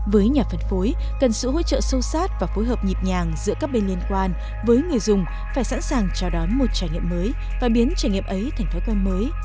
với nhà phân phối cần sự hỗ trợ sâu sát và phối hợp nhịp nhàng giữa các bên liên quan với người dùng phải sẵn sàng chào đón một trải nghiệm mới và biến trải nghiệm ấy thành thói quen mới